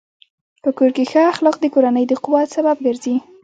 په کور کې ښه اخلاق د کورنۍ د قوت سبب ګرځي.